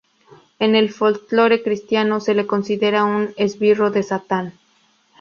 En el folclore cristiano, se le considera un esbirro de Satán.